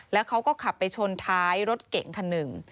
แล้วเขาก็ขับไปชนท้ายรถเก่งคันหนึ่ง